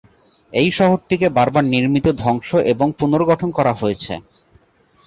এই শহরটিকে বারবার নির্মিত, ধ্বংস এবং পুনর্গঠন করা হয়েছে।